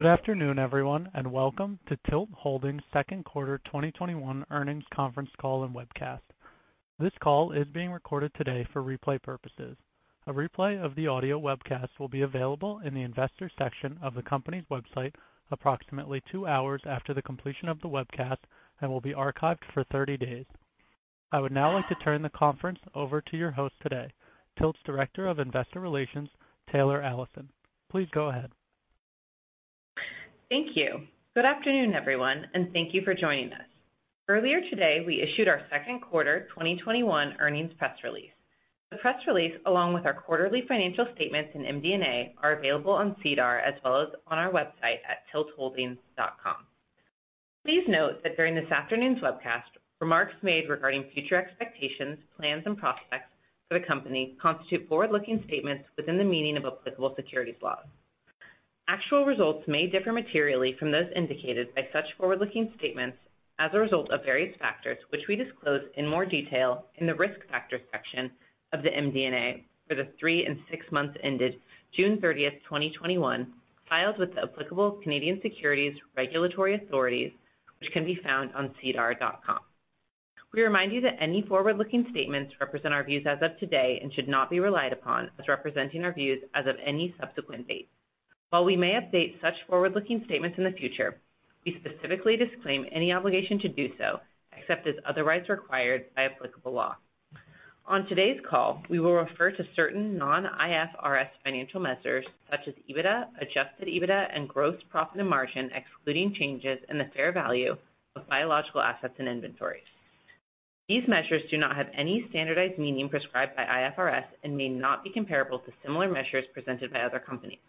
Good afternoon, everyone, welcome to TILT Holdings' second quarter 2021 earnings conference call and webcast. This call is being recorded today for replay purposes. A replay of the audio webcast will be available in the Investors section of the company's website approximately two hours after the completion of the webcast and will be archived for 30 days. I would now like to turn the conference over to your host today, TILT's Director of Investor Relations, Taylor Allison. Please go ahead. Thank you. Good afternoon, everyone, and thank you for joining us. Earlier today, we issued our second quarter 2021 earnings press release. The press release, along with our quarterly financial statements and MD&A, are available on SEDAR as well as on our website at tiltholdings.com. Please note that during this afternoon's webcast, remarks made regarding future expectations, plans, and prospects for the company constitute forward-looking statements within the meaning of applicable securities laws. Actual results may differ materially from those indicated by such forward-looking statements as a result of various factors, which we disclose in more detail in the Risk Factors section of the MD&A for the three and six months ended June 30th, 2021, filed with the applicable Canadian securities regulatory authorities, which can be found on sedar.com. We remind you that any forward-looking statements represent our views as of today and should not be relied upon as representing our views as of any subsequent date. While we may update such forward-looking statements in the future, we specifically disclaim any obligation to do so except as otherwise required by applicable law. On today's call, we will refer to certain non-International Financial Reporting Standards financial measures such as EBITDA, Adjusted EBITDA, and gross profit margin, excluding changes in the fair value of biological assets and inventories. These measures do not have any standardized meaning prescribed by IFRS and may not be comparable to similar measures presented by other companies.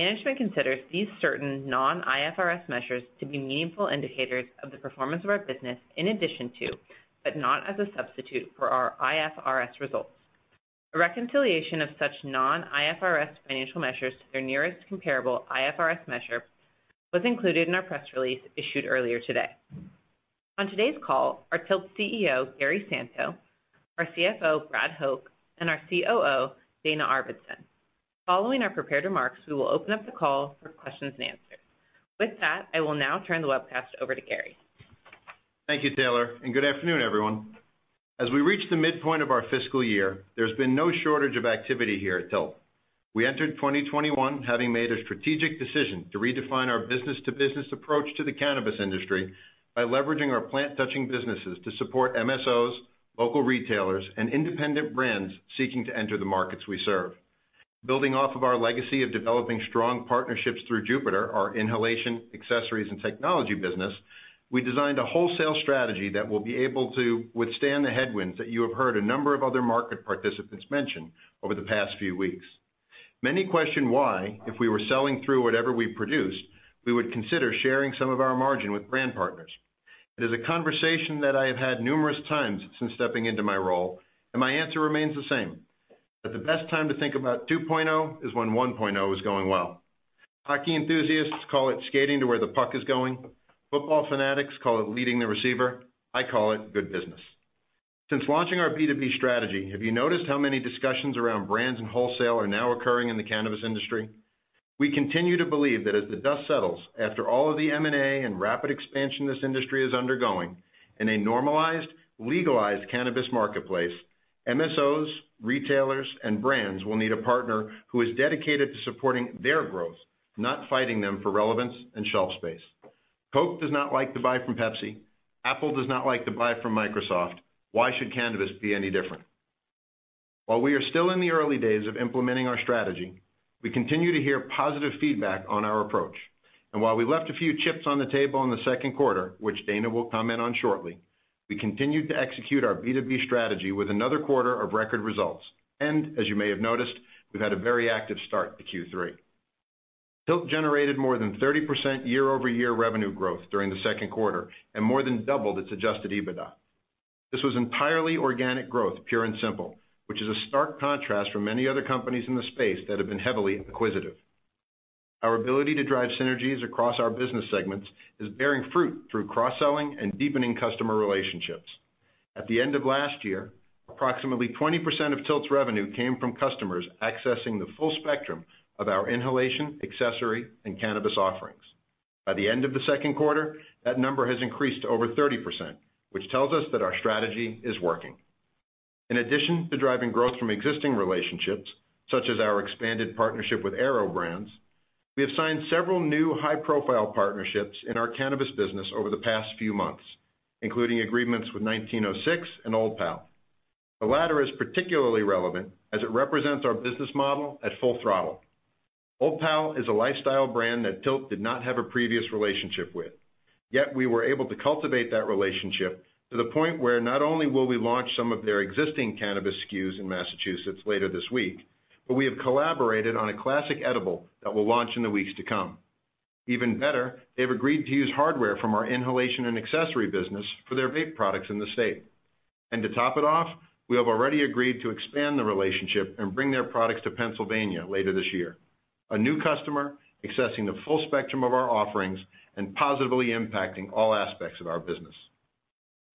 Management considers these certain non-IFRS measures to be meaningful indicators of the performance of our business in addition to, but not as a substitute for our IFRS results. A reconciliation of such non-IFRS financial measures to their nearest comparable IFRS measure was included in our press release issued earlier today. On today's call are TILT's Chief Executive Officer, Gary Santo, our Chief Financial Officer, Brad Hoch, and our Chief Operating Officer, Dana Arvidson. Following our prepared remarks, we will open up the call for questions and answers. With that, I will now turn the webcast over to Gary Santo. Thank you, Taylor, and good afternoon, everyone. As we reach the midpoint of our fiscal year, there's been no shortage of activity here at TILT. We entered 2021 having made a strategic decision to redefine our business-to-business approach to the cannabis industry by leveraging our plant-touching businesses to support Multi-State Operators, local retailers, and independent brands seeking to enter the markets we serve. Building off of our legacy of developing strong partnerships through Jupiter Research, our inhalation accessories and technology business, we designed a wholesale strategy that will be able to withstand the headwinds that you have heard a number of other market participants mention over the past few weeks. Many question why, if we were selling through whatever we produced, we would consider sharing some of our margin with brand partners. It is a conversation that I have had numerous times since stepping into my role, and my answer remains the same, that the best time to think about 2.0 is when 1.0 is going well. Hockey enthusiasts call it skating to where the puck is going. Football fanatics call it leading the receiver. I call it good business. Since launching our B2B strategy, have you noticed how many discussions around brands and wholesale are now occurring in the cannabis industry? We continue to believe that as the dust settles, after all of the M&A and rapid expansion this industry is undergoing, in a normalized, legalized cannabis marketplace, MSOs, retailers, and brands will need a partner who is dedicated to supporting their growth, not fighting them for relevance and shelf space. Coke does not like to buy from Pepsi. Apple does not like to buy from Microsoft. Why should cannabis be any different? While we are still in the early days of implementing our strategy, we continue to hear positive feedback on our approach. While we left a few chips on the table in the second quarter, which Dana will comment on shortly, we continued to execute our B2B strategy with another quarter of record results. As you may have noticed, we've had a very active start to Q3. TILT generated more than 30% year-over-year revenue growth during the second quarter and more than doubled its Adjusted EBITDA. This was entirely organic growth, pure and simple, which is a stark contrast from many other companies in the space that have been heavily acquisitive. Our ability to drive synergies across our business segments is bearing fruit through cross-selling and deepening customer relationships. At the end of last year, approximately 20% of TILT's revenue came from customers accessing the full spectrum of our inhalation, accessory, and cannabis offerings. By the end of the second quarter, that number has increased to over 30%, which tells us that our strategy is working. In addition to driving growth from existing relationships, such as our expanded partnership with Airo Brands, we have signed several new high-profile partnerships in our cannabis business over the past few months, including agreements with 1906 and Old Pal. The latter is particularly relevant as it represents our business model at full throttle. Old Pal is a lifestyle brand that TILT did not have a previous relationship with. We were able to cultivate that relationship to the point where not only will we launch some of their existing cannabis Stock Keeping Units in Massachusetts later this week, but we have collaborated on a classic edible that will launch in the weeks to come. Even better, they've agreed to use hardware from our inhalation and accessory business for their vape products in the state. To top it off, we have already agreed to expand the relationship and bring their products to Pennsylvania later this year. A new customer accessing the full spectrum of our offerings and positively impacting all aspects of our business.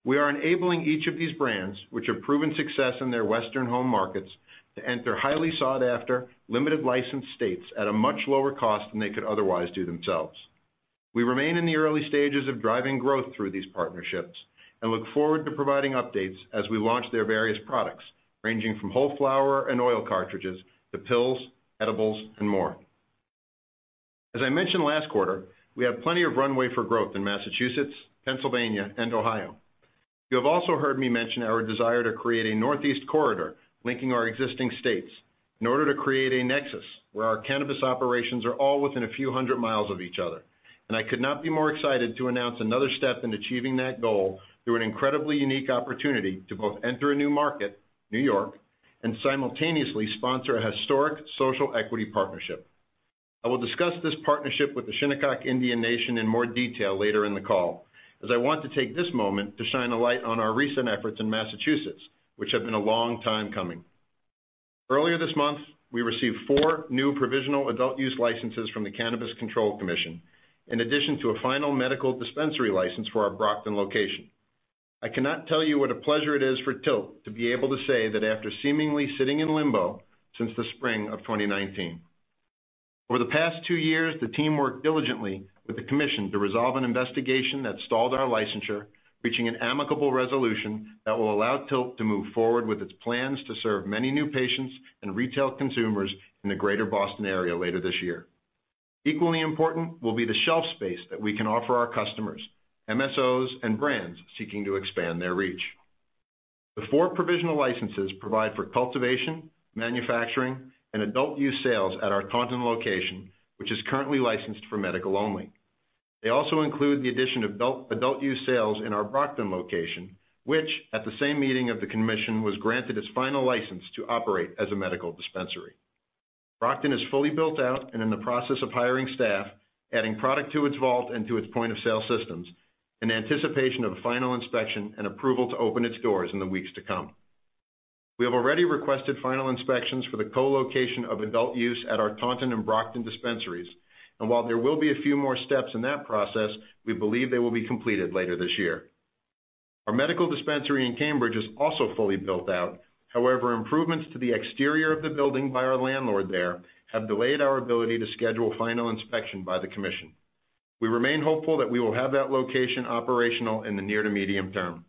We are enabling each of these brands, which have proven success in their Western home markets, to enter highly sought-after limited license states at a much lower cost than they could otherwise do themselves. We remain in the early stages of driving growth through these partnerships and look forward to providing updates as we launch their various products, ranging from whole flower and oil cartridges to pills, edibles, and more. As I mentioned last quarter, we have plenty of runway for growth in Massachusetts, Pennsylvania, and Ohio. You have also heard me mention our desire to create a northeast corridor linking our existing states in order to create a nexus where our cannabis operations are all within a few hundred miles of each other, and I could not be more excited to announce another step in achieving that goal through an incredibly unique opportunity to both enter a new market, New York, and simultaneously sponsor a historic social equity partnership. I will discuss this partnership with the Shinnecock Indian Nation in more detail later in the call, as I want to take this moment to shine a light on our recent efforts in Massachusetts, which have been a long time coming. Earlier this month, we received four new provisional adult use licenses from the Cannabis Control Commission, in addition to a final medical dispensary license for our Brockton location. I cannot tell you what a pleasure it is for TILT to be able to say that after seemingly sitting in limbo since the spring of 2019. Over the past two years, the team worked diligently with the commission to resolve an investigation that stalled our licensure, reaching an amicable resolution that will allow TILT to move forward with its plans to serve many new patients and retail consumers in the greater Boston area later this year. Equally important will be the shelf space that we can offer our customers, MSOs, and brands seeking to expand their reach. The four provisional licenses provide for cultivation, manufacturing, and adult use sales at our Taunton location, which is currently licensed for medical only. They also include the addition of adult use sales in our Brockton location, which, at the same meeting of the commission, was granted its final license to operate as a medical dispensary. Brockton is fully built out and in the process of hiring staff, adding product to its vault and to its point-of-sale systems in anticipation of a final inspection and approval to open its doors in the weeks to come. We have already requested final inspections for the co-location of adult use at our Taunton and Brockton dispensaries, and while there will be a few more steps in that process, we believe they will be completed later this year. Our medical dispensary in Cambridge is also fully built out. However, improvements to the exterior of the building by our landlord there have delayed our ability to schedule final inspection by the Commission. We remain hopeful that we will have that location operational in the near to medium term.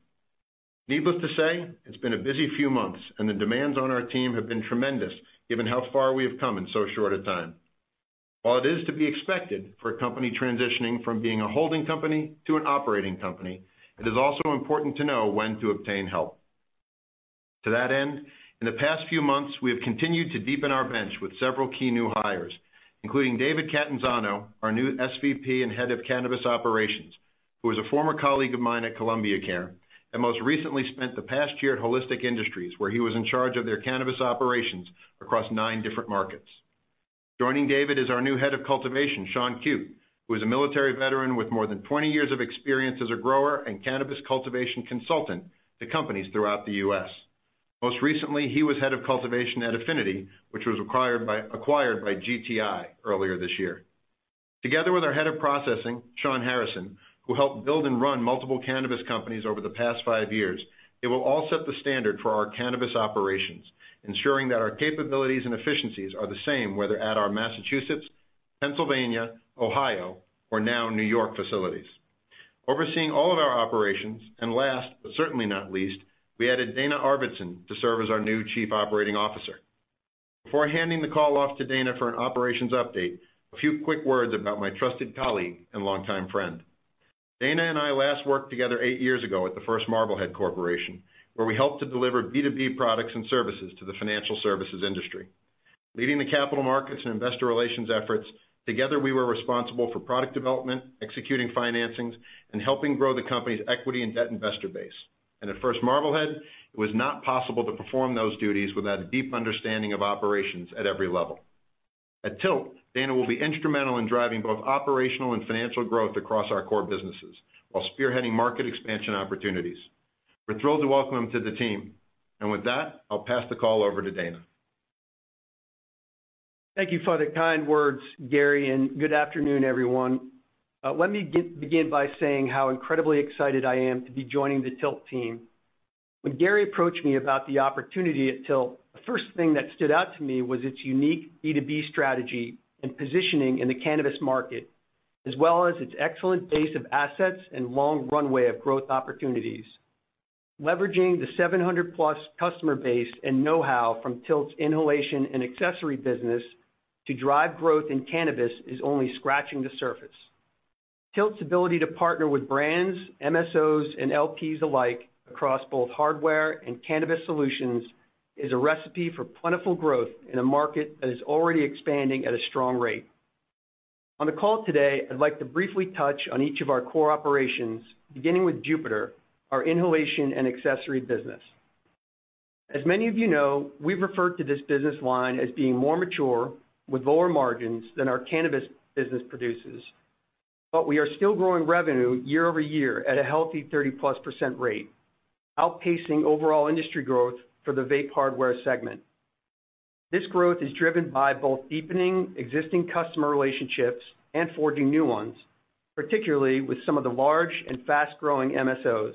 Needless to say, it's been a busy few months, and the demands on our team have been tremendous, given how far we have come in so short a time. While it is to be expected for a company transitioning from being a holding company to an operating company, it is also important to know when to obtain help. To that end, in the past few months, we have continued to deepen our bench with several key new hires, including David Catanzano, our new Senior Vice President and Head of Cannabis Operations, who is a former colleague of mine at Columbia Care and most recently spent the past year at Holistic Industries, where he was in charge of their cannabis operations across nine different markets. Joining David is our new Head of Cultivation, Sean Cute, who is a military veteran with more than 20 years of experience as a grower and cannabis cultivation consultant to companies throughout the U.S. Most recently, he was Head of Cultivation at Affinity, which was acquired by Green Thumb Industries earlier this year. Together with our Head of Processing, Sean Harrison, who helped build and run multiple cannabis companies over the past five years, they will all set the standard for our cannabis operations, ensuring that our capabilities and efficiencies are the same whether at our Massachusetts, Pennsylvania, Ohio, or now New York facilities. Overseeing all of our operations, and last, but certainly not least, we added Dana Arvidson to serve as our new Chief Operating Officer. Before handing the call off to Dana for an operations update, a few quick words about my trusted colleague and longtime friend. Dana and I last worked together eight years ago at The First Marblehead Corporation, where we helped to deliver B2B products and services to the financial services industry. Leading the capital markets and investor relations efforts, together, we were responsible for product development, executing financings, and helping grow the company's equity and debt investor base. At First Marblehead, it was not possible to perform those duties without a deep understanding of operations at every level. At TILT, Dana will be instrumental in driving both operational and financial growth across our core businesses while spearheading market expansion opportunities. We're thrilled to welcome him to the team. With that, I'll pass the call over to Dana Arvidson. Thank you for the kind words, Gary, and good afternoon, everyone. Let me begin by saying how incredibly excited I am to be joining the TILT team. When Gary approached me about the opportunity at TILT, the first thing that stood out to me was its unique B2B strategy and positioning in the cannabis market, as well as its excellent base of assets and long runway of growth opportunities. Leveraging the 700+ customer base and know-how from TILT's inhalation and accessory business to drive growth in cannabis is only scratching the surface. TILT's ability to partner with brands, MSOs, and Licensed Producers alike across both hardware and cannabis solutions is a recipe for plentiful growth in a market that is already expanding at a strong rate. On the call today, I'd like to briefly touch on each of our core operations, beginning with Jupiter, our inhalation and accessory business. As many of you know, we've referred to this business line as being more mature with lower margins than our cannabis business produces. We are still growing revenue year-over-year at a healthy 30+% rate, outpacing overall industry growth for the vape hardware segment. This growth is driven by both deepening existing customer relationships and forging new ones, particularly with some of the large and fast-growing MSOs.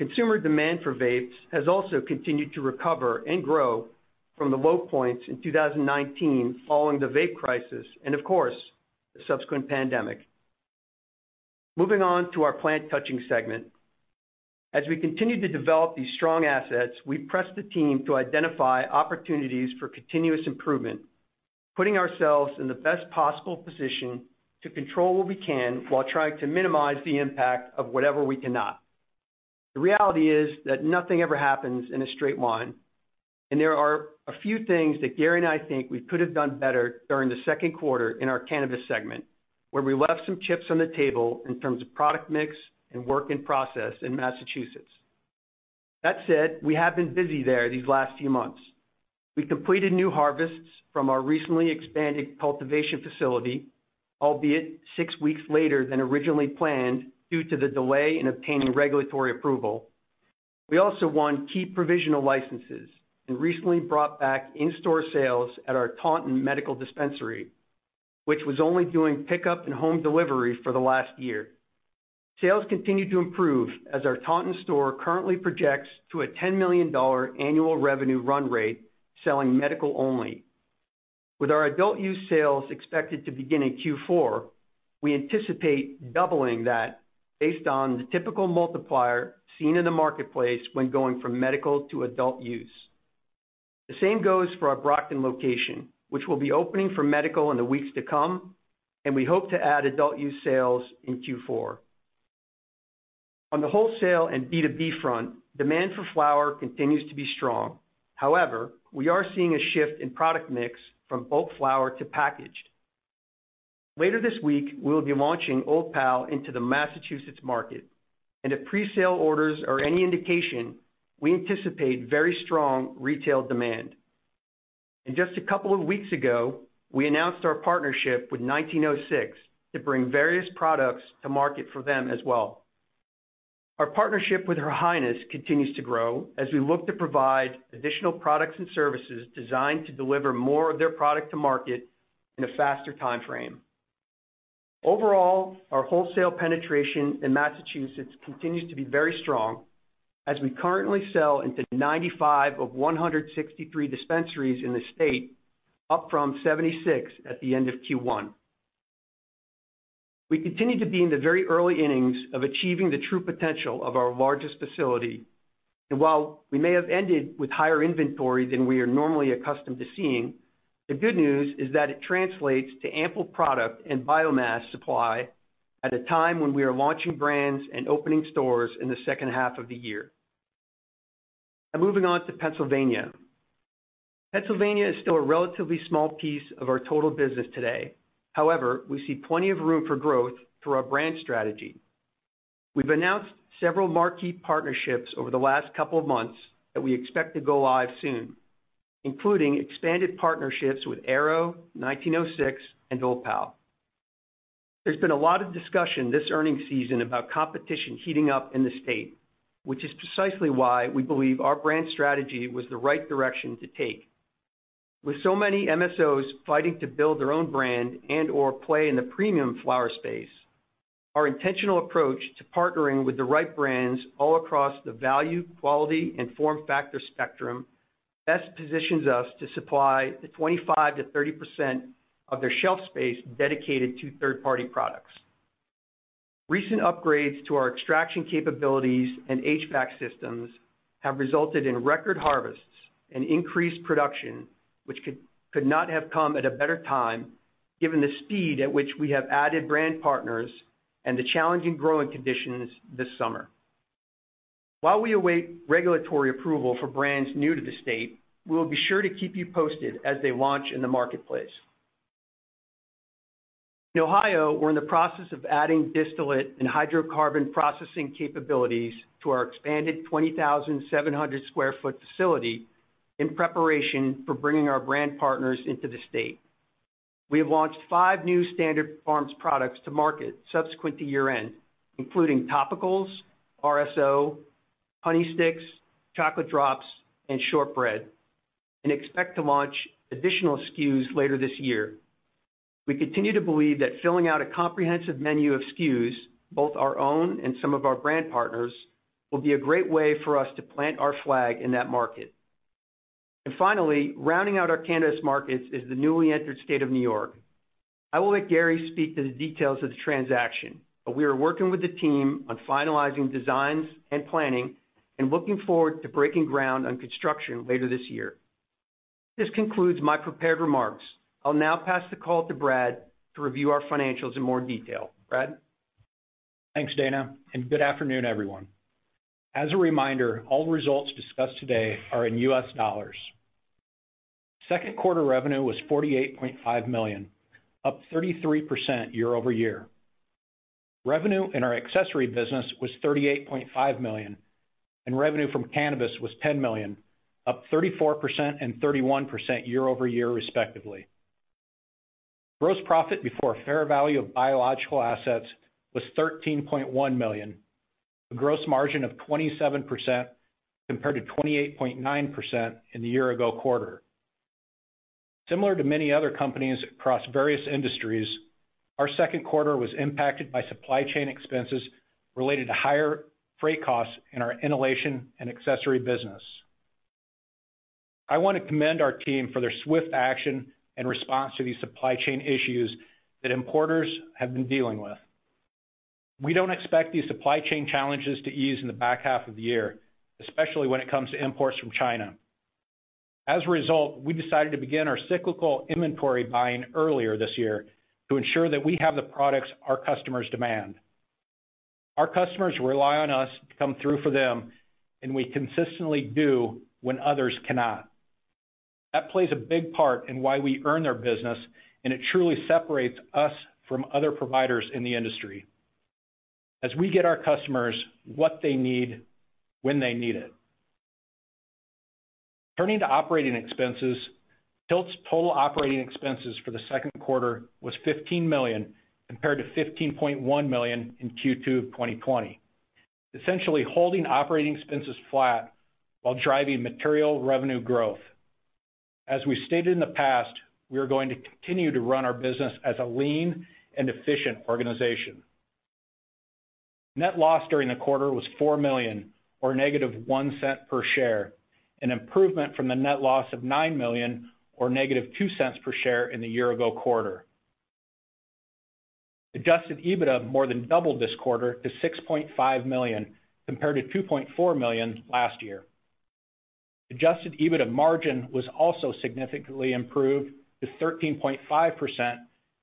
Consumer demand for vapes has also continued to recover and grow from the low points in 2019 following the vape crisis and, of course, the subsequent pandemic. Moving on to our plant touching segment. As we continue to develop these strong assets, we press the team to identify opportunities for continuous improvement, putting ourselves in the best possible position to control what we can while trying to minimize the impact of whatever we cannot. The reality is that nothing ever happens in a straight line, and there are a few things that Gary and I think we could have done better during the second quarter in our cannabis segment, where we left some chips on the table in terms of product mix and work in process in Massachusetts. That said, we have been busy there these last few months. We completed new harvests from our recently expanded cultivation facility, albeit six weeks later than originally planned, due to the delay in obtaining regulatory approval. We also won key provisional licenses and recently brought back in-store sales at our Taunton Medical dispensary, which was only doing pickup and home delivery for the last year. Sales continue to improve as our Taunton store currently projects to a $10 million annual revenue run rate selling medical only. With our adult use sales expected to begin in Q4, we anticipate doubling that based on the typical multiplier seen in the marketplace when going from medical to adult use. The same goes for our Brockton location, which will be opening for medical in the weeks to come, and we hope to add adult use sales in Q4. On the wholesale and B2B front, demand for flower continues to be strong. However, we are seeing a shift in product mix from bulk flower to packaged. Later this week, we will be launching Old Pal into the Massachusetts market, and if presale orders are any indication, we anticipate very strong retail demand. Just a couple of weeks ago, we announced our partnership with 1906 to bring various products to market for them as well. Our partnership with Her Highness continues to grow as we look to provide additional products and services designed to deliver more of their product to market in a faster timeframe. Overall, our wholesale penetration in Massachusetts continues to be very strong as we currently sell into 95 of 163 dispensaries in the state, up from 76 at the end of Q1. We continue to be in the very early innings of achieving the true potential of our largest facility. While we may have ended with higher inventory than we are normally accustomed to seeing, the good news is that it translates to ample product and biomass supply at a time when we are launching brands and opening stores in the second half of the year. Moving on to Pennsylvania. Pennsylvania is still a relatively small piece of our total business today. However, we see plenty of room for growth through our brand strategy. We've announced several marquee partnerships over the last couple of months that we expect to go live soon, including expanded partnerships with Airo, 1906, and Old Pal. There's been a lot of discussion this earnings season about competition heating up in the state, which is precisely why we believe our brand strategy was the right direction to take. With so many MSOs fighting to build their own brand and/or play in the premium flower space, our intentional approach to partnering with the right brands all across the value, quality, and form factor spectrum best positions us to supply the 25%-30% of their shelf space dedicated to third-party products. Recent upgrades to our extraction capabilities and Heating, Ventilation, and Air Conditioning systems have resulted in record harvests and increased production, which could not have come at a better time given the speed at which we have added brand partners and the challenging growing conditions this summer. While we await regulatory approval for brands new to the state, we'll be sure to keep you posted as they launch in the marketplace. In Ohio, we're in the process of adding distillate and hydrocarbon processing capabilities to our expanded 20,700 sq ft facility in preparation for bringing our brand partners into the state. We have launched five new Standard Farms products to market subsequent to year-end, including topicals, Rick Simpson Oil, honey sticks, chocolate drops, and shortbread, and expect to launch additional SKUs later this year. We continue to believe that filling out a comprehensive menu of SKUs, both our own and some of our brand partners, will be a great way for us to plant our flag in that market. Finally, rounding out our cannabis markets is the newly entered state of New York. I will let Gary speak to the details of the transaction, but we are working with the team on finalizing designs and planning and looking forward to breaking ground on construction later this year. This concludes my prepared remarks. I'll now pass the call to Brad to review our financials in more detail. Brad Hoch? Thanks, Dana, and good afternoon, everyone. As a reminder, all results discussed today are in US dollars. Second quarter revenue was $48.5 million, up 33% year-over-year. Revenue in our accessory business was $38.5 million, and revenue from cannabis was $10 million, up 34% and 31% year-over-year, respectively. Gross profit before fair value of biological assets was $13.1 million, a gross margin of 27%, compared to 28.9% in the year-ago quarter. Similar to many other companies across various industries, our second quarter was impacted by supply chain expenses related to higher freight costs in our inhalation and accessory business. I want to commend our team for their swift action in response to these supply chain issues that importers have been dealing with. We don't expect these supply chain challenges to ease in the back half of the year, especially when it comes to imports from China. As a result, we decided to begin our cyclical inventory buying earlier this year to ensure that we have the products our customers demand. Our customers rely on us to come through for them, and we consistently do when others cannot. That plays a big part in why we earn their business, and it truly separates us from other providers in the industry, as we get our customers what they need, when they need it. Turning to operating expenses, TILT's total operating expenses for the second quarter was $15 million, compared to $15.1 million in Q2 of 2020, essentially holding operating expenses flat while driving material revenue growth. As we stated in the past, we are going to continue to run our business as a lean and efficient organization. Net loss during the quarter was $4 million, or -$0.01 per share, an improvement from the net loss of $9 million or -$0.02 per share in the year-ago quarter. Adjusted EBITDA more than doubled this quarter to $6.5 million, compared to $2.4 million last year. Adjusted EBITDA margin was also significantly improved to 13.5%,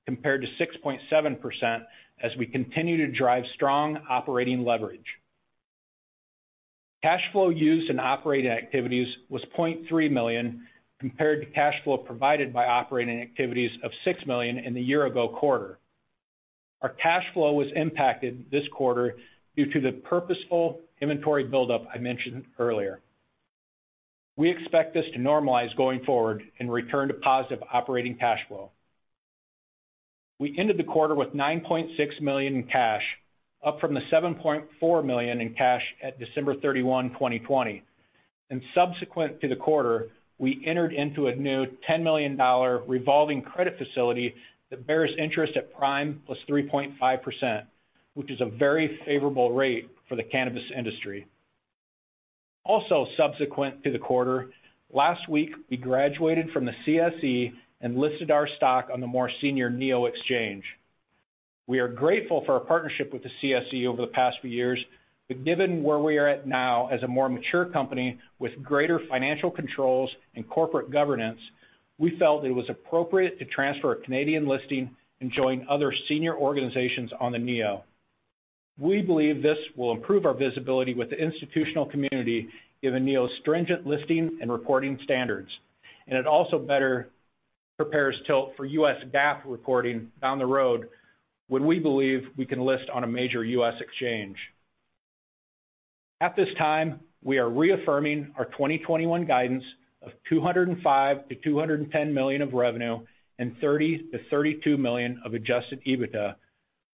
compared to 6.7%, as we continue to drive strong operating leverage. Cash flow used in operating activities was $0.3 million, compared to cash flow provided by operating activities of $6 million in the year-ago quarter. Our cash flow was impacted this quarter due to the purposeful inventory buildup I mentioned earlier. We expect this to normalize going forward and return to positive operating cash flow. We ended the quarter with $9.6 million in cash, up from the $7.4 million in cash at December 31, 2020. Subsequent to the quarter, we entered into a new $10 million revolving credit facility that bears interest at prime +3.5%, which is a very favorable rate for the cannabis industry. Also subsequent to the quarter, last week, we graduated from the Canadian Securities Exchange and listed our stock on the more senior NEO Exchange. We are grateful for our partnership with the CSE over the past few years, but given where we are at now as a more mature company with greater financial controls and corporate governance, we felt it was appropriate to transfer a Canadian listing and join other senior organizations on the NEO. We believe this will improve our visibility with the institutional community, given NEO's stringent listing and reporting standards, and it also better prepares TILT for US GAAP reporting down the road when we believe we can list on a major U.S. exchange. At this time, we are reaffirming our 2021 guidance of $205 million-$210 million of revenue and $30 million-$32 million of Adjusted EBITDA,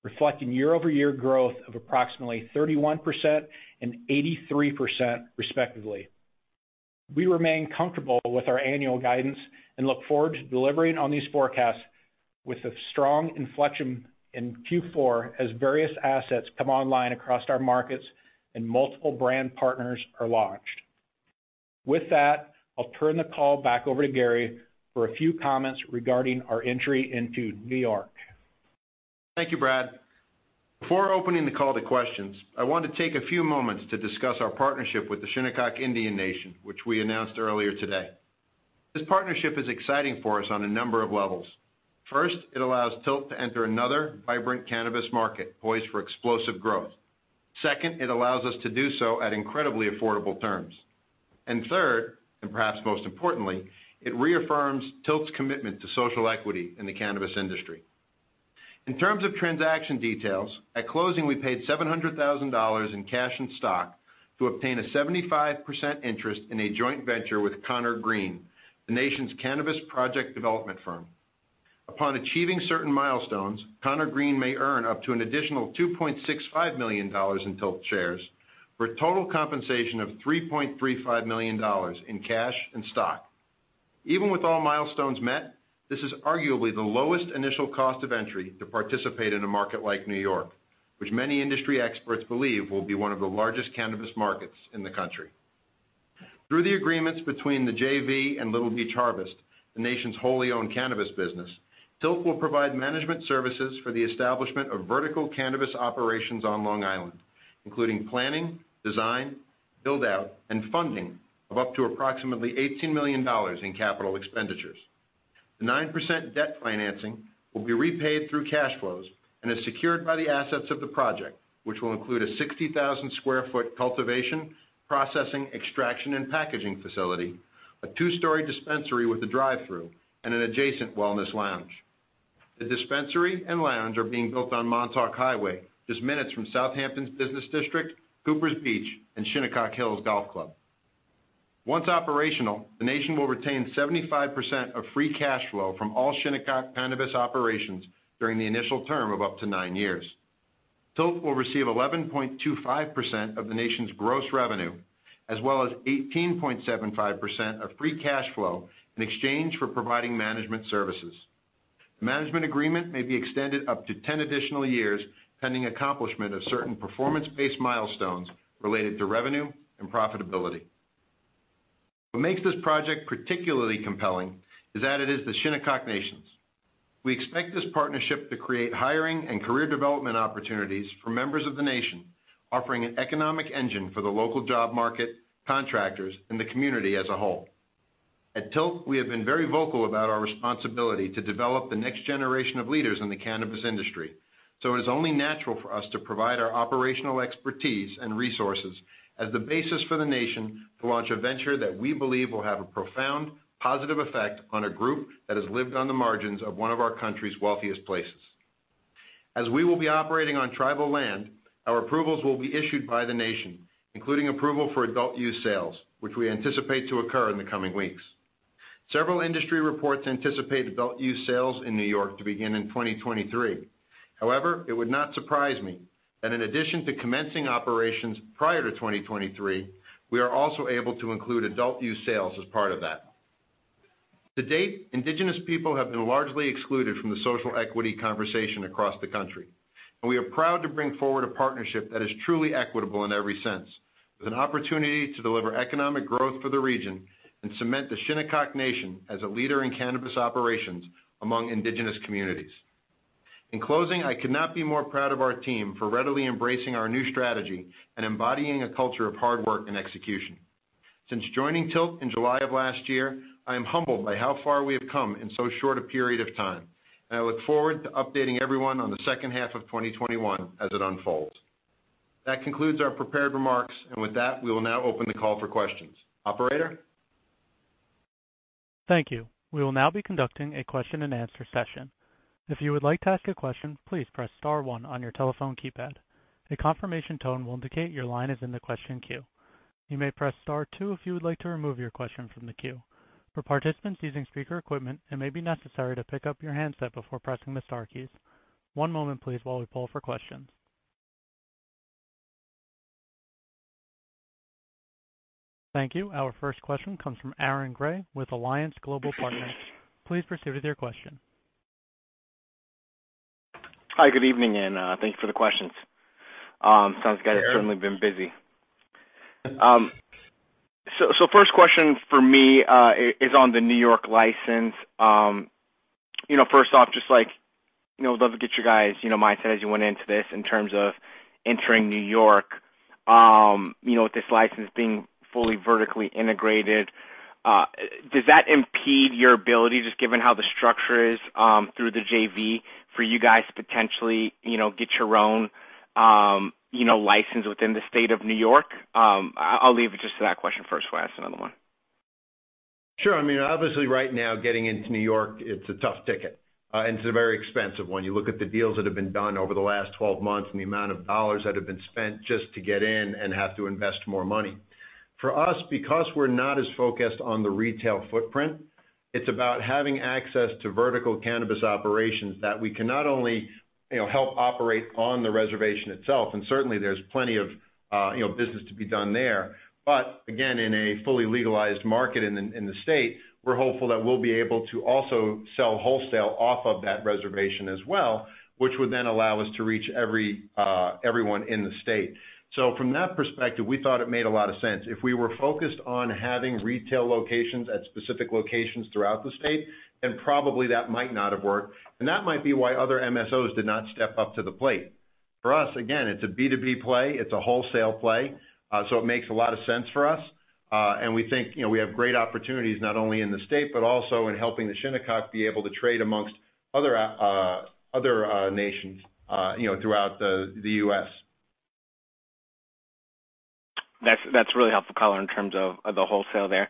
reflecting year-over-year growth of approximately 31% and 83%, respectively. We remain comfortable with our annual guidance and look forward to delivering on these forecasts with a strong inflection in Q4 as various assets come online across our markets and multiple brand partners are launched. With that, I'll turn the call back over to Gary for a few comments regarding our entry into N.Y. Thank you, Brad. Before opening the call to questions, I want to take a few moments to discuss our partnership with the Shinnecock Indian Nation, which we announced earlier today. This partnership is exciting for us on a number of levels. First, it allows TILT to enter another vibrant cannabis market poised for explosive growth. Second, it allows us to do so at incredibly affordable terms. Third, and perhaps most importantly, it reaffirms TILT's commitment to social equity in the cannabis industry. In terms of transaction details, at closing, we paid $700,000 in cash and stock to obtain a 75% interest in a joint venture with Conor Green, the nation's cannabis project development firm. Upon achieving certain milestones, Conor Green may earn up to an additional $2.65 million in TILT shares for a total compensation of $3.35 million in cash and stock. Even with all milestones met, this is arguably the lowest initial cost of entry to participate in a market like New York, which many industry experts believe will be one of the largest cannabis markets in the country. Through the agreements between the JV and Little Beach Harvest, the nation's wholly owned cannabis business, TILT will provide management services for the establishment of vertical cannabis operations on Long Island, including planning, design, build-out, and funding of up to approximately $18 million in capital expenditures. The 9% debt financing will be repaid through cash flows and is secured by the assets of the project, which will include a 60,000 sq ft cultivation, processing, extraction, and packaging facility, a two-story dispensary with a drive-through, and an adjacent wellness lounge. The dispensary and lounge are being built on Montauk Highway, just minutes from Southampton's business district, Cooper's Beach, and Shinnecock Hills Golf Club. Once operational, the nation will retain 75% of free cash flow from all Shinnecock cannabis operations during the initial term of up to nine years. TILT will receive 11.25% of the nation's gross revenue, as well as 18.75% of free cash flow in exchange for providing management services. The management agreement may be extended up to 10 additional years, pending accomplishment of certain performance-based milestones related to revenue and profitability. What makes this project particularly compelling is that it is the Shinnecock Indian Nation. We expect this partnership to create hiring and career development opportunities for members of the nation, offering an economic engine for the local job market, contractors, and the community as a whole. At TILT, we have been very vocal about our responsibility to develop the next generation of leaders in the cannabis industry. It is only natural for us to provide our operational expertise and resources as the basis for the nation to launch a venture that we believe will have a profound, positive effect on a group that has lived on the margins of one of our country's wealthiest places. We will be operating on tribal land, our approvals will be issued by the nation, including approval for adult use sales, which we anticipate to occur in the coming weeks. Several industry reports anticipate adult use sales in New York to begin in 2023. It would not surprise me that in addition to commencing operations prior to 2023, we are also able to include adult use sales as part of that. To date, indigenous people have been largely excluded from the social equity conversation across the country, and we are proud to bring forward a partnership that is truly equitable in every sense, with an opportunity to deliver economic growth for the region and cement the Shinnecock Indian Nation as a leader in cannabis operations among indigenous communities. In closing, I could not be more proud of our team for readily embracing our new strategy and embodying a culture of hard work and execution. Since joining TILT in July of last year, I am humbled by how far we have come in so short a period of time, and I look forward to updating everyone on the second half of 2021 as it unfolds. That concludes our prepared remarks, and with that, we will now open the call for questions. Operator? Thank you. We will now be conducting a question and answer session. If you would like to ask a question, please press star one on your telephone keypad. A confirmation tone will indicate your line is in the question queue. You may press star two if you would like to remove your question from the queue. For participants using speaker equipment, it may be necessary to pick up your handset before pressing the star keys. One moment, please, while we poll for questions. Thank you. Our first question comes from Aaron Grey with Alliance Global Partners. Please proceed with your question. Hi, good evening, thanks for the questions. Sounds like you guys have certainly been busy. First question from me is on the New York license. First off, just would love to get your guys' mindset as you went into this in terms of entering New York. With this license being fully vertically integrated, does that impede your ability, just given how the structure is, through the JV, for you guys to potentially get your own license within the state of New York? I'll leave it just to that question first before I ask another one. Sure. Obviously, right now, getting into New York, it's a tough ticket. It's a very expensive one. You look at the deals that have been done over the last 12 months and the amount of dollars that have been spent just to get in and have to invest more money. For us, because we're not as focused on the retail footprint, it's about having access to vertical cannabis operations that we can not only help operate on the reservation itself, and certainly there's plenty of business to be done there. But again, in a fully legalized market in the state, we're hopeful that we'll be able to also sell wholesale off of that reservation as well, which would then allow us to reach everyone in the state. From that perspective, we thought it made a lot of sense. If we were focused on having retail locations at specific locations throughout the state, probably that might not have worked. That might be why other MSOs did not step up to the plate. For us, again, it's a B2B play. It's a wholesale play. It makes a lot of sense for us. We think we have great opportunities, not only in the state, but also in helping the Shinnecock be able to trade amongst other nations throughout the U.S. That's really helpful color in terms of the wholesale there.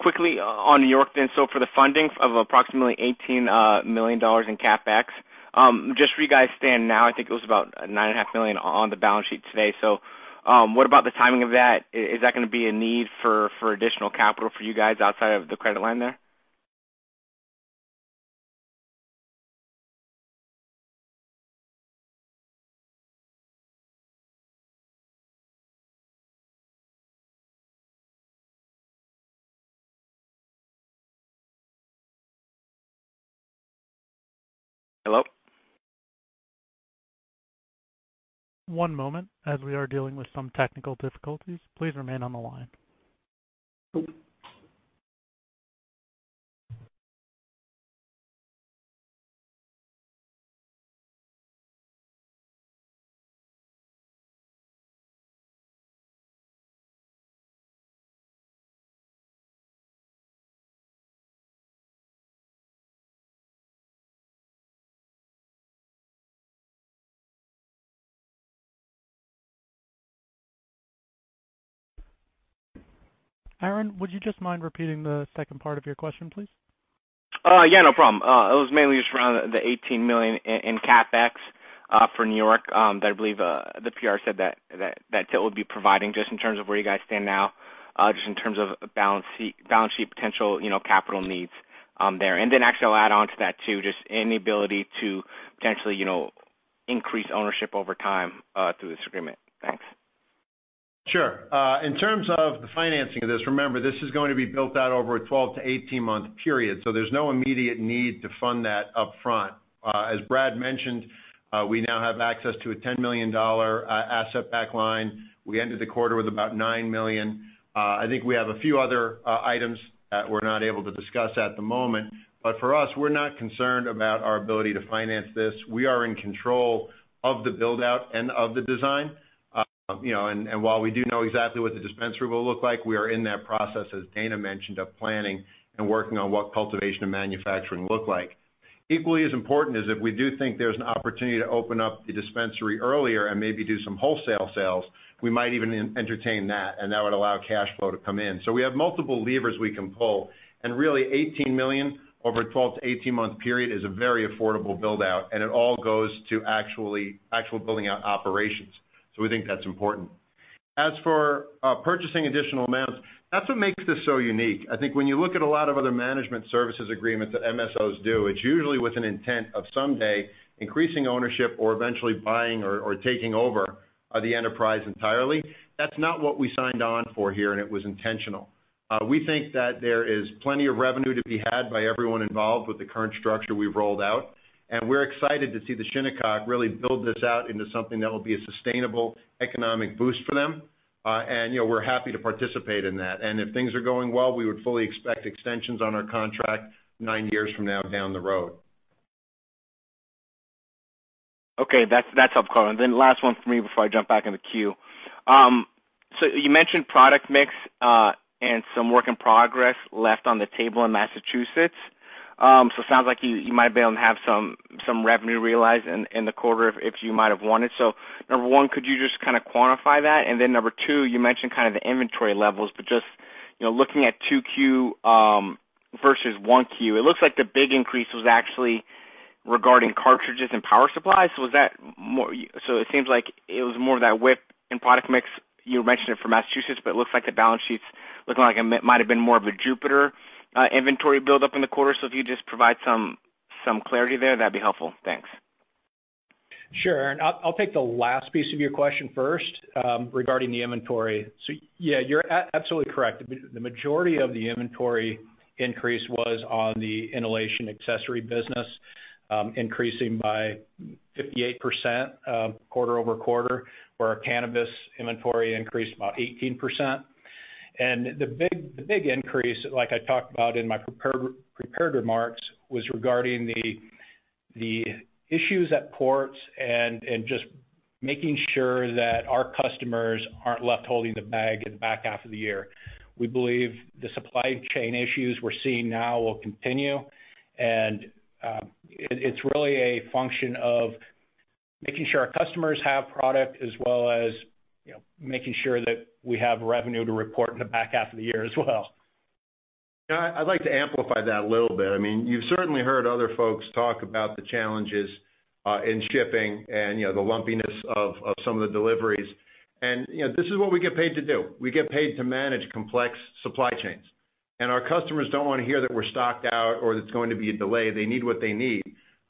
Quickly on New York then, for the funding of approximately $18 million in CapEx, just where you guys stand now, I think it was about nine and a half million on the balance sheet today. What about the timing of that? Is that going to be a need for additional capital for you guys outside of the credit line there? Hello? One moment, as we are dealing with some technical difficulties. Aaron, would you just mind repeating the second part of your question, please? Yeah, no problem. It was mainly just around the $18 million in CapEx for New York that I believe the Press Release said that TILT would be providing, just in terms of where you guys stand now, just in terms of balance sheet potential, capital needs there. Then actually, I'll add onto that too, just any ability to potentially increase ownership over time through this agreement. Thanks. Sure. In terms of the financing of this, remember, this is going to be built out over a 12-18-month period, so there's no immediate need to fund that up front. As Brad mentioned, we now have access to a $10 million asset-backed line. We ended the quarter with about $9 million. I think we have a few other items that we're not able to discuss at the moment. For us, we're not concerned about our ability to finance this. We are in control of the build-out and of the design. While we do know exactly what the dispensary will look like, we are in that process, as Dana mentioned, of planning and working on what cultivation and manufacturing look like. Equally as important is if we do think there's an opportunity to open up the dispensary earlier and maybe do some wholesale sales, we might even entertain that, and that would allow cash flow to come in. We have multiple levers we can pull, and really, $18 million over a 12-18-month period is a very affordable build-out, and it all goes to actual building out operations. We think that's important. As for purchasing additional amounts, that's what makes this so unique. I think when you look at a lot of other management services agreements that MSOs do, it's usually with an intent of someday increasing ownership or eventually buying or taking over the enterprise entirely. That's not what we signed on for here, and it was intentional. We think that there is plenty of revenue to be had by everyone involved with the current structure we've rolled out, and we're excited to see the Shinnecock really build this out into something that will be a sustainable economic boost for them. We're happy to participate in that. If things are going well, we would fully expect extensions on our contract nine years from now down the road. Okay, that's helpful. Last one from me before I jump back in the queue. You mentioned product mix and some work in progress left on the table in Massachusetts. It sounds like you might be able to have some revenue realized in the quarter if you might have wanted. Number one, could you just kind of quantify that? Number two, you mentioned kind of the inventory levels, but just looking at 2Q versus 1Q, it looks like the big increase was actually regarding cartridges and power supply. It seems like it was more of that whip in product mix. You mentioned it for Massachusetts, but it looks like the balance sheets look like it might have been more of a Jupiter inventory build up in the quarter. If you just provide some clarity there, that'd be helpful. Thanks. Sure. I'll take the last piece of your question first, regarding the inventory. Yeah, you're absolutely correct. The majority of the inventory increase was on the inhalation accessory business, increasing by 58% quarter-over-quarter, where our cannabis inventory increased by 18%. The big increase, like I talked about in my prepared remarks, was regarding the issues at ports and just making sure that our customers aren't left holding the bag in the back half of the year. We believe the supply chain issues we're seeing now will continue, and it's really a function of making sure our customers have product as well as making sure that we have revenue to report in the back half of the year as well. Yeah, I'd like to amplify that a little bit. You've certainly heard other folks talk about the challenges in shipping and the lumpiness of some of the deliveries. This is what we get paid to do. We get paid to manage complex supply chains. Our customers don't want to hear that we're stocked out or that it's going to be a delay. They need what they need.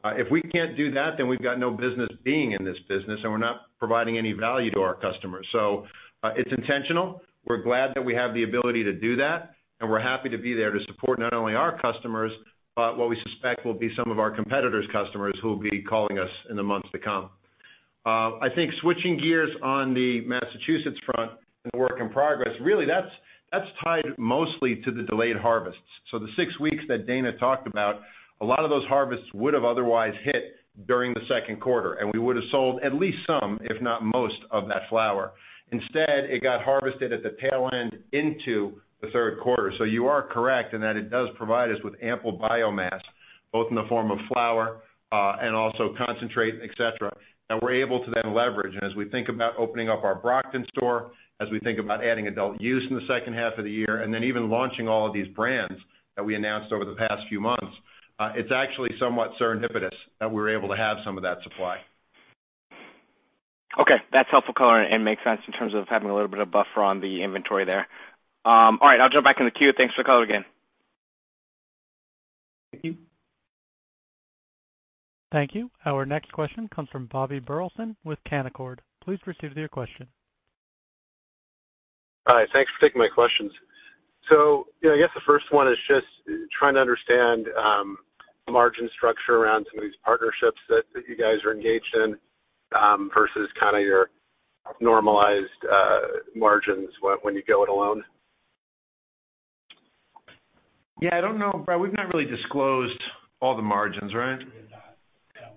If we can't do that, then we've got no business being in this business, and we're not providing any value to our customers. It's intentional. We're glad that we have the ability to do that, and we're happy to be there to support not only our customers, but what we suspect will be some of our competitors' customers who will be calling us in the months to come. I think switching gears on the Massachusetts front and the work in progress, really, that's tied mostly to the delayed harvests. The six weeks that Dana talked about, a lot of those harvests would have otherwise hit during the second quarter, and we would have sold at least some, if not most, of that flower. Instead, it got harvested at the tail end into the third quarter. You are correct in that it does provide us with ample biomass, both in the form of flower, and also concentrate, et cetera, that we're able to then leverage. As we think about opening up our Brockton store, as we think about adding adult use in the second half of the year, and then even launching all of these brands that we announced over the past few months, it's actually somewhat serendipitous that we were able to have some of that supply. Okay, that's helpful color and makes sense in terms of having a little bit of buffer on the inventory there. All right, I'll jump back in the queue. Thanks for the color again. Thank you. Our next question comes from Bobby Burleson with Canaccord. Please proceed with your question. Hi. Thanks for taking my questions. I guess the first one is just trying to understand the margin structure around some of these partnerships that you guys are engaged in, versus kind of your normalized margins when you go it alone. Yeah, I don't know, Bob. We've never really disclosed all the margins, right?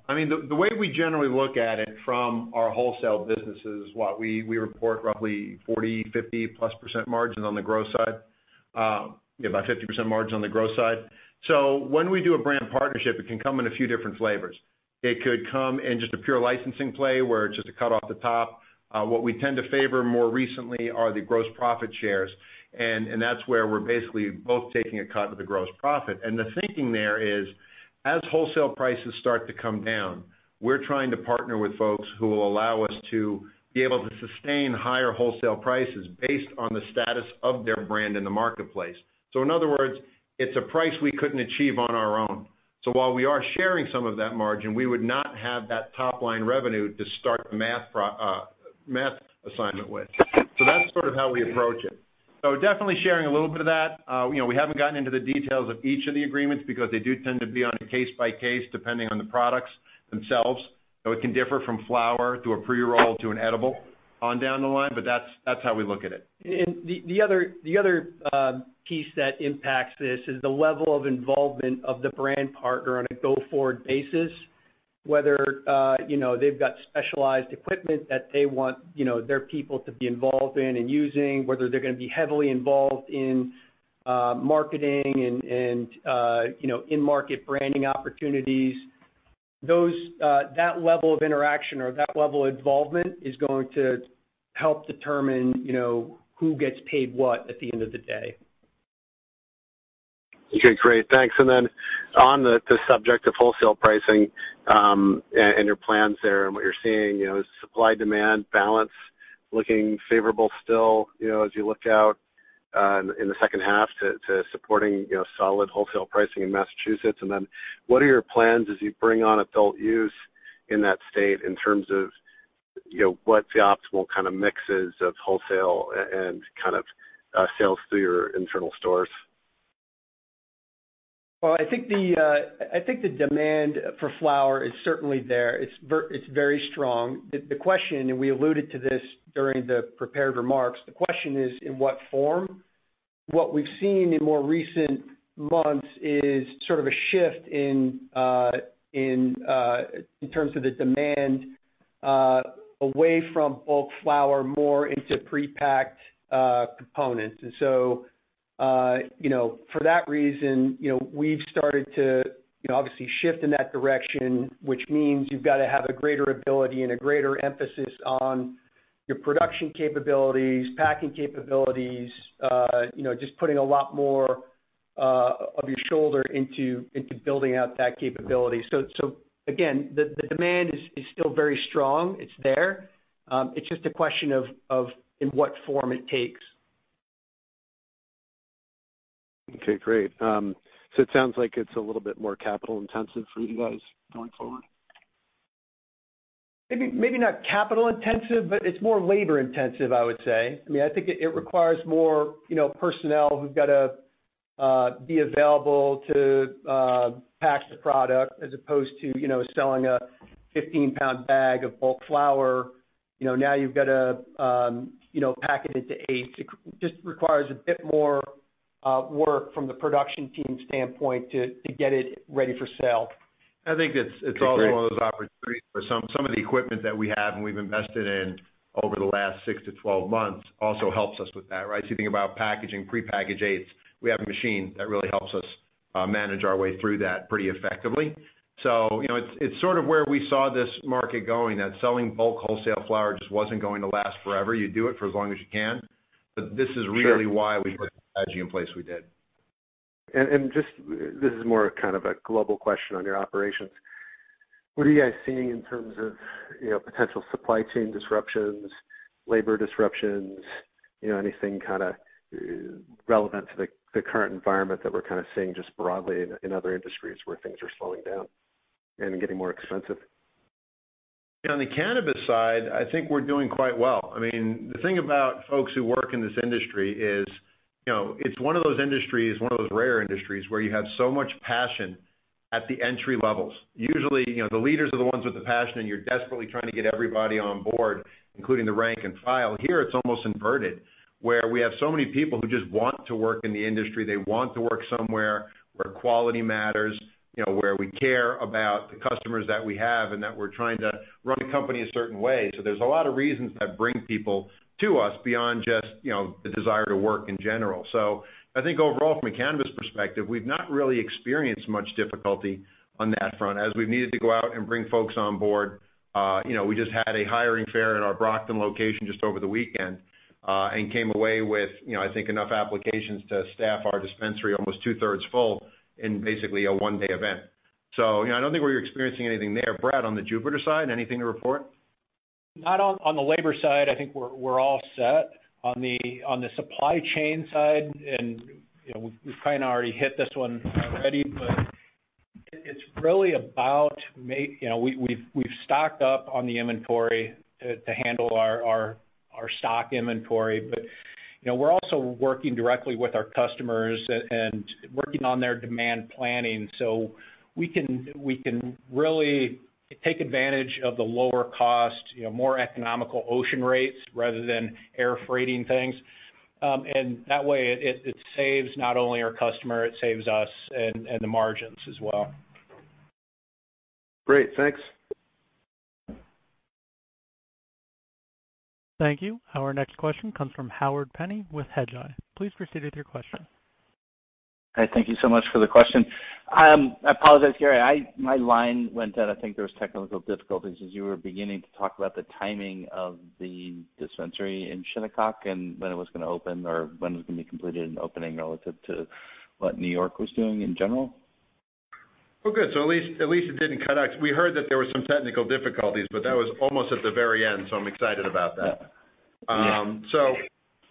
The way we generally look at it from our wholesale business is what we report roughly 40%, 50%+ margins on the growth side. About 50% margin on the growth side. When we do a brand partnership, it can come in a few different flavors. It could come in just a pure licensing play where it's just a cut off the top. What we tend to favor more recently are the gross profit shares, and that's where we're basically both taking a cut of the gross profit. The thinking there is, as wholesale prices start to come down, we're trying to partner with folks who will allow us to be able to sustain higher wholesale prices based on the status of their brand in the marketplace. In other words, it's a price we couldn't achieve on our own. While we are sharing some of that margin, we would not have that top-line revenue to start the math assignment with. That's sort of how we approach it. Definitely sharing a little bit of that. We haven't gotten into the details of each of the agreements because they do tend to be on a case by case, depending on the products themselves, so it can differ from flower to a pre-roll to an edible on down the line, but that's how we look at it. The other piece that impacts this is the level of involvement of the brand partner on a go-forward basis. Whether they've got specialized equipment that they want their people to be involved in and using, whether they're going to be heavily involved in marketing and in-market branding opportunities. That level of interaction or that level of involvement is going to help determine who gets paid what at the end of the day. Okay, great. Thanks. On the subject of wholesale pricing, and your plans there and what you're seeing, is supply-demand balance looking favorable still as you look out in the second half to supporting solid wholesale pricing in Massachusetts? What are your plans as you bring on adult use in that state in terms of what the optimal kind of mixes of wholesale and kind of sales through your internal stores? I think the demand for flower is certainly there. It's very strong. The question, and we alluded to this during the prepared remarks, the question is, in what form? What we've seen in more recent months is sort of a shift in terms of the demand away from bulk flower, more into pre-packed components. For that reason, we've started to obviously shift in that direction, which means you've got to have a greater ability and a greater emphasis on your production capabilities, packing capabilities, just putting a lot more of your shoulder into building out that capability. Again, the demand is still very strong. It's there. It's just a question of in what form it takes. Okay, great. It sounds like it's a little bit more capital-intensive for you guys going forward. Maybe not capital-intensive, but it's more labor-intensive, I would say. I think it requires more personnel who've got to be available to pack the product as opposed to selling a 15-pound bag of bulk flower. Now you've got to pack it into eighths. It just requires a bit more work from the production team standpoint to get it ready for sale. I think it's also one of those opportunities where some of the equipment that we have, and we've invested in over the last 6-12 months also helps us with that, right? If you think about packaging, prepackaged eighths, we have a machine that really helps us manage our way through that pretty effectively. It's sort of where we saw this market going, that selling bulk wholesale flower just wasn't going to last forever. You do it for as long as you can, but this is really why we put the packaging in place we did. Just, this is more kind of a global question on your operations. What are you guys seeing in terms of potential supply chain disruptions, labor disruptions, anything kind of relevant to the current environment that we're kind of seeing just broadly in other industries where things are slowing down and getting more expensive? On the cannabis side, I think we're doing quite well. The thing about folks who work in this industry is, it's one of those rare industries where you have so much passion at the entry levels. Usually, the leaders are the ones with the passion, and you're desperately trying to get everybody on board, including the rank and file. Here, it's almost inverted, where we have so many people who just want to work in the industry. They want to work somewhere where quality matters, where we care about the customers that we have, and that we're trying to run a company a certain way. There's a lot of reasons that bring people to us beyond just the desire to work in general. I think overall, from a cannabis perspective, we've not really experienced much difficulty on that front. As we needed to go out and bring folks on board, we just had a hiring fair at our Brockton location just over the weekend, and came away with I think enough applications to staff our dispensary almost two-thirds full in basically a one-day event. I don't think we're experiencing anything there. Brad, on the Jupiter side, anything to report? Not on the labor side, I think we're all set. On the supply chain side. We've kind of already hit this one already. It's really about. We've stocked up on the inventory to handle our stock inventory, but we're also working directly with our customers and working on their demand planning. We can really take advantage of the lower cost, more economical ocean rates rather than air freighting things. That way it saves not only our customer, it saves us and the margins as well. Great. Thanks. Thank you. Our next question comes from Howard Penney with Hedgeye. Please proceed with your question. Hi, thank you so much for the question. I apologize, Gary, my line went dead. I think there was technical difficulties as you were beginning to talk about the timing of the dispensary in Shinnecock and when it was going to open or when it was going to be completed and opening relative to what New York was doing in general. Well, good. At least it didn't cut out. We heard that there were some technical difficulties, but that was almost at the very end. I'm excited about that. Yeah.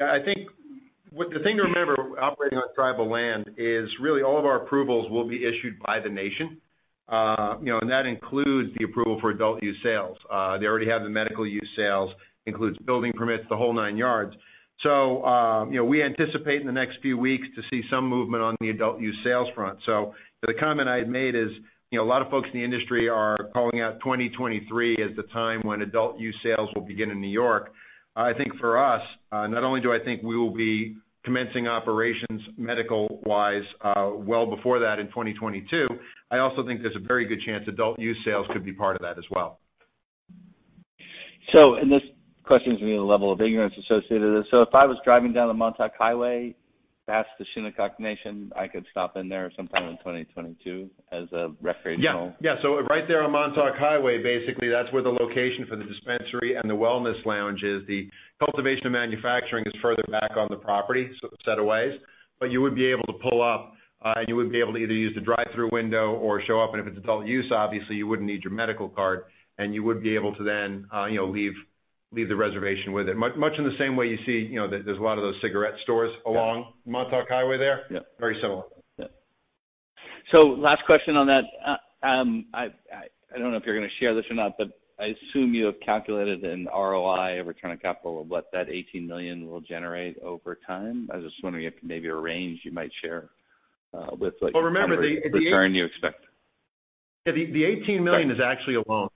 I think the thing to remember operating on tribal land is really all of our approvals will be issued by the nation. That includes the approval for adult use sales. They already have the medical use sales, includes building permits, the whole nine yards. We anticipate in the next few weeks to see some movement on the adult use sales front. The comment I had made is, a lot of folks in the industry are calling out 2023 as the time when adult use sales will begin in New York. I think for us, not only do I think we will be commencing operations medical-wise well before that in 2022, I also think there's a very good chance adult use sales could be part of that as well. This question is going to be a level of ignorance associated with this. If I was driving down the Montauk Highway, past the Shinnecock Nation, I could stop in there sometime in 2022 as a recreational. Yeah. Right there on Montauk Highway, basically, that's where the location for the dispensary and the wellness lounge is. The cultivation and manufacturing is further back on the property, set a ways. You would be able to pull up, you would be able to either use the drive-thru window or show up, if it's adult use, obviously, you wouldn't need your medical card, you would be able to then leave the reservation with it. Much in the same way you see there's a lot of those cigarette stores along Montauk Highway there. Yeah. Very similar. Yeah. Last question on that. I don't know if you're going to share this or not, but I assume you have calculated an Return on Investment, a return on capital of what that $18 million will generate over time. I was just wondering if maybe a range you might share with the return you expect. The $18 million is actually a loan.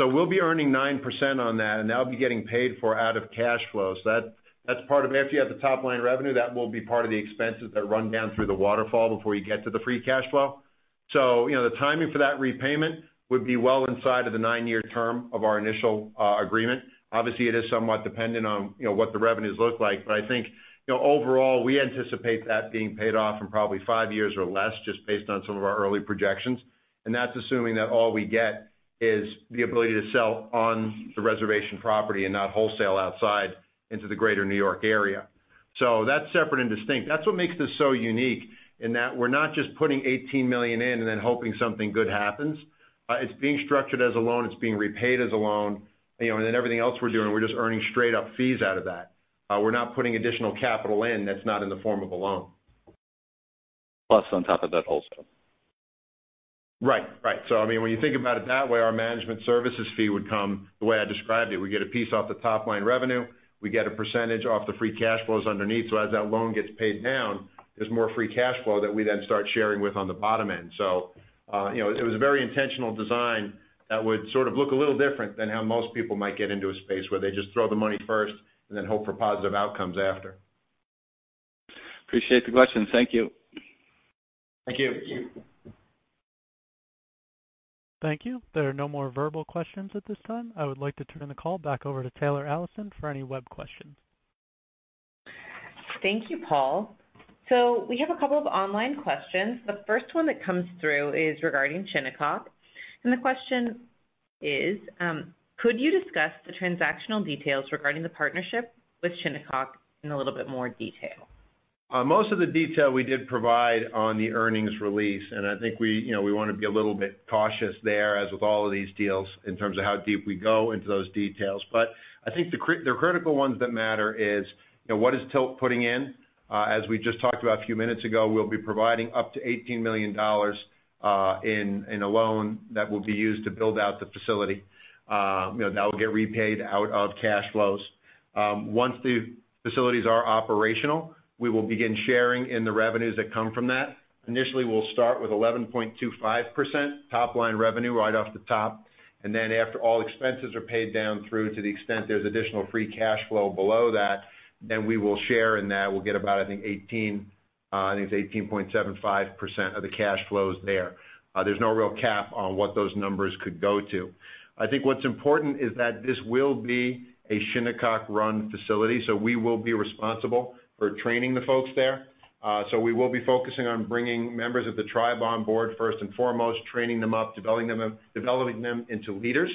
We'll be earning 9% on that, and that'll be getting paid for out of cash flow. That's part of, after you have the top-line revenue, that will be part of the expenses that run down through the waterfall before you get to the free cash flow. The timing for that repayment would be well inside of the nine-year term of our initial agreement. Obviously, it is somewhat dependent on what the revenues look like. I think, overall, we anticipate that being paid off in probably five years or less, just based on some of our early projections. That's assuming that all we get is the ability to sell on the reservation property and not wholesale outside into the greater New York area. That's separate and distinct. That's what makes this so unique, in that we're not just putting $18 million in and then hoping something good happens. It's being structured as a loan. It's being repaid as a loan. Then everything else we're doing, we're just earning straight up fees out of that. We're not putting additional capital in that's not in the form of a loan. On top of that wholesale. Right. I mean, when you think about it that way, our management services fee would come the way I described it. We get a piece off the top-line revenue. We get a percentage off the free cash flows underneath. As that loan gets paid down, there's more free cash flow that we then start sharing with on the bottom end. It was a very intentional design that would sort of look a little different than how most people might get into a space where they just throw the money first and then hope for positive outcomes after. Appreciate the question. Thank you. Thank you. Thank you. There are no more verbal questions at this time. I would like to turn the call back over to Taylor Allison for any web questions. Thank you, Paul. We have a couple of online questions. The first one that comes through is regarding Shinnecock. The question is, could you discuss the transactional details regarding the partnership with Shinnecock in a little bit more detail? Most of the detail we did provide on the earnings release, I think we want to be a little bit cautious there, as with all of these deals, in terms of how deep we go into those details. I think the critical ones that matter is, what is TILT putting in? As we just talked about a few minutes ago, we'll be providing up to $18 million in a loan that will be used to build out the facility. That will get repaid out of cash flows. Once the facilities are operational, we will begin sharing in the revenues that come from that. Initially, we'll start with 11.25% top-line revenue right off the top. After all expenses are paid down through to the extent there's additional free cash flow below that, then we will share in that. We'll get about, I think 18.75% of the cash flows there. There's no real cap on what those numbers could go to. I think what's important is that this will be a Shinnecock-run facility, so we will be responsible for training the folks there. We will be focusing on bringing members of the tribe on board first and foremost, training them up, developing them into leaders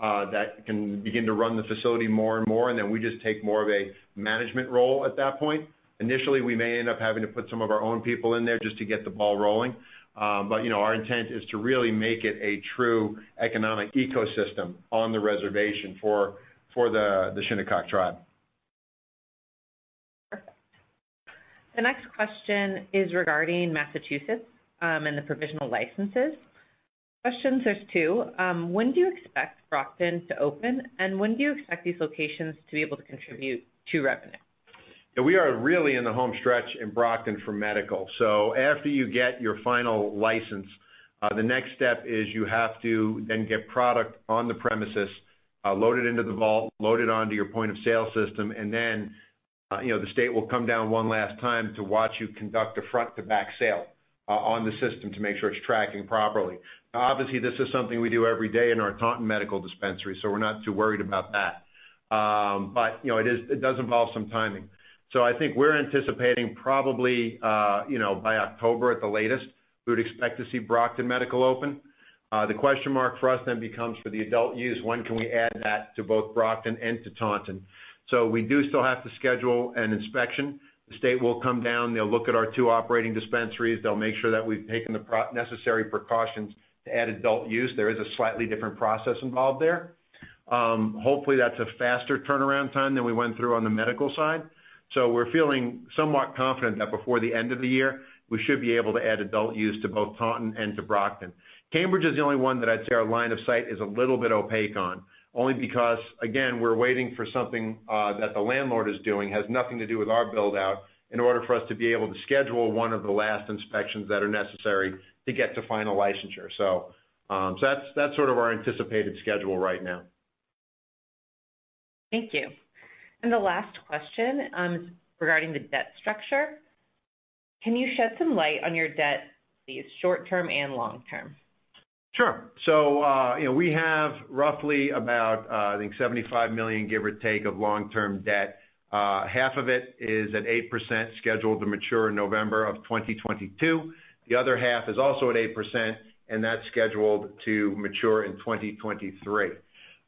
that can begin to run the facility more and more, and then we just take more of a management role at that point. Initially, we may end up having to put some of our own people in there just to get the ball rolling. Our intent is to really make it a true economic ecosystem on the reservation for the Shinnecock tribe. Perfect. The next question is regarding Massachusetts, and the provisional licenses. Questions, there's two. When do you expect Brockton to open, and when do you expect these locations to be able to contribute to revenue? We are really in the home stretch in Brockton for medical. After you get your final license, the next step is you have to then get product on the premises, load it into the vault, load it onto your point-of-sale system, and the state will come down one last time to watch you conduct a front-to-back sale on the system to make sure it's tracking properly. Obviously, this is something we do every day in our Taunton medical dispensary, we're not too worried about that. It does involve some timing. I think we're anticipating probably by October at the latest, we would expect to see Brockton medical open. The question mark for us becomes for the adult use, when can we add that to both Brockton and to Taunton? We do still have to schedule an inspection. The state will come down, they'll look at our two operating dispensaries, they'll make sure that we've taken the necessary precautions to add adult use. There is a slightly different process involved there. Hopefully, that's a faster turnaround time than we went through on the medical side. We're feeling somewhat confident that before the end of the year, we should be able to add adult use to both Taunton and to Brockton. Cambridge is the only one that I'd say our line of sight is a little bit opaque on, only because, again, we're waiting for something that the landlord is doing, has nothing to do with our build-out, in order for us to be able to schedule one of the last inspections that are necessary to get to final licensure. That's our anticipated schedule right now. Thank you. The last question regarding the debt structure. Can you shed some light on your debt, both short-term and long-term? Sure. We have roughly about, I think, $75 million, give or take, of long-term debt. Half of it is at 8% scheduled to mature in November of 2022. The other half is also at 8%, and that's scheduled to mature in 2023.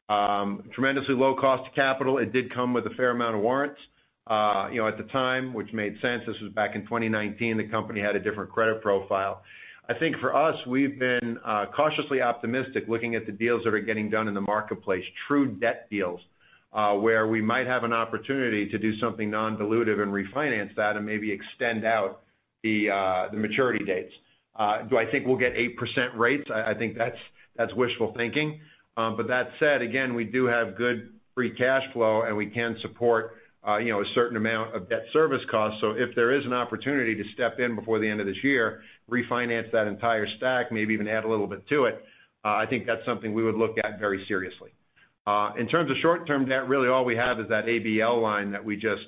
Tremendously low cost of capital. It did come with a fair amount of warrants, at the time, which made sense. This was back in 2019. The company had a different credit profile. I think for us, we've been cautiously optimistic looking at the deals that are getting done in the marketplace, true debt deals, where we might have an opportunity to do something non-dilutive and refinance that and maybe extend out the maturity dates. Do I think we'll get 8% rates? I think that's wishful thinking. That said, again, we do have good free cash flow, and we can support a certain amount of debt service costs. If there is an opportunity to step in before the end of this year, refinance that entire stack, maybe even add a little bit to it, I think that's something we would look at very seriously. In terms of short-term debt, really all we have is that Asset-Based Lending line that we just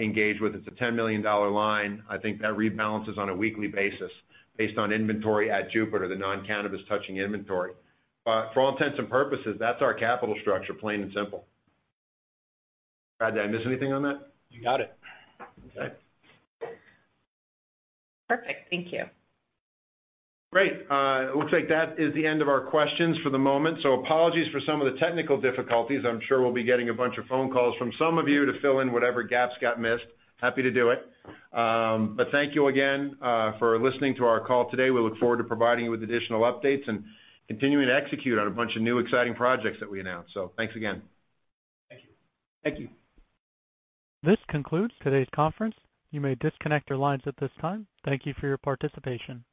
engaged with. It's a $10 million line. I think that rebalances on a weekly basis based on inventory at Jupiter, the non-cannabis touching inventory. For all intents and purposes, that's our capital structure, plain and simple. Brad, did I miss anything on that? You got it. Okay. Perfect. Thank you. Great. It looks like that is the end of our questions for the moment. Apologies for some of the technical difficulties. I'm sure we will be getting a bunch of phone calls from some of you to fill in whatever gaps got missed. Happy to do it. Thank you again for listening to our call today. We look forward to providing you with additional updates and continuing to execute on a bunch of new exciting projects that we announced. Thanks again. Thank you. Thank you. This concludes today's conference. You may disconnect your lines at this time. Thank you for your participation.